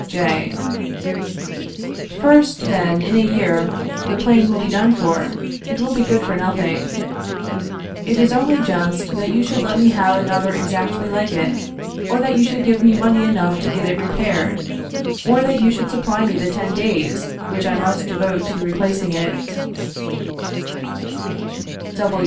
J. First, then, in a year, the plane will be done for, it will be good for nothing. It is only just, that you should let me have another exactly like it; or that you should give me money enough to get it repaired; or that you should supply me the ten days which I must devote to replacing it.